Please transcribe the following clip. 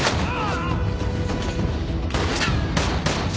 ああ。